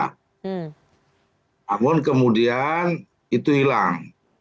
namun kemudian itu hilang